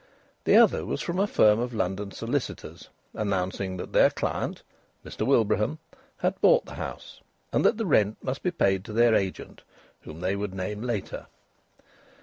The other was from a firm of London solicitors announcing that their client, Mr Wilbraham, had bought the house, and that the rent must be paid to their agent, whom they would name later.